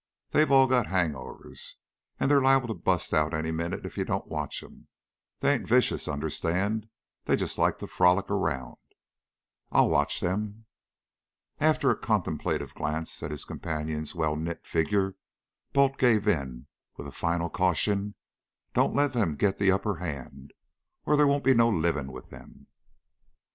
They've all got hang overs, and they're liable to bu'st out any minute if you don't watch them. They ain't vicious, understand; they just like to frolic around." "I'll watch them." After a contemplative glance at his companion's well knit figure, Balt gave in, with the final caution: "Don't let them get the upper hand, or there won't be no living with them."